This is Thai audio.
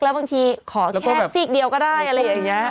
แล้วบางทีขอแค่ซีกเดียวก็ได้อะไรอย่างนี้